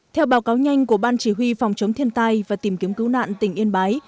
theo báo cáo nhanh của ban chỉ huy phòng chống thiên tai và tìm kiếm cứu nạn tỉnh yên bái